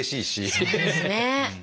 そうですね。